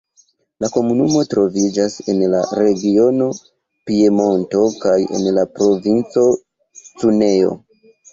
La komunumo troviĝas en la regiono Piemonto kaj en la Provinco Cuneo.